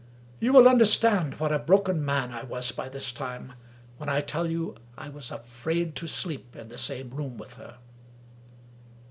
You will understand what a broken man I was by this time, when I tell you I was afraid to sleep in the same room with her